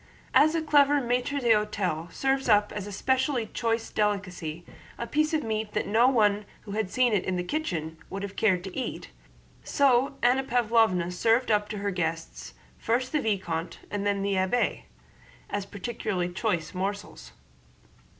As a clever maître d'hôtel serves up as a specially choice delicacy a piece of meat that no one who had seen it in the kitchen would have cared to eat, so Anna Pávlovna served up to her guests, first the vicomte and then the abbé, as peculiarly choice morsels.